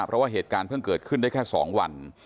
เพราะว่าเหตุการณ์เพิ่งเกิดขึ้นได้แค่๒วัน